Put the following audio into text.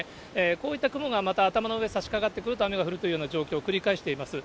こういった雲がまた頭の上、差しかかってくると、雨が降るというような状況を繰り返しています。